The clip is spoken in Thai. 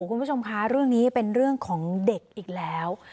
คุณผู้ชมคะเรื่องนี้เป็นเรื่องของเด็กอีกแล้ว